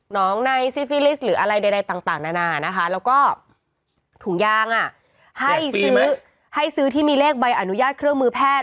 ในซิฟิลิสต์หรืออะไรใดต่างนานานะคะแล้วก็ถุงยางให้ซื้อให้ซื้อที่มีเลขใบอนุญาตเครื่องมือแพทย์